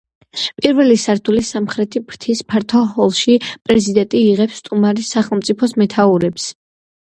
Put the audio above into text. პირველი სართულის სამხრეთი ფრთის ფართო ჰოლში პრეზიდენტი იღებს სტუმარი სახელმწიფოს მეთაურებს.